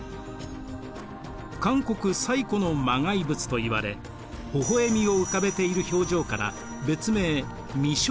韓国最古の磨崖仏といわれほほ笑みを浮かべている表情から別名微笑